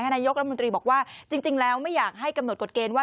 นายกรัฐมนตรีบอกว่าจริงแล้วไม่อยากให้กำหนดกฎเกณฑ์ว่า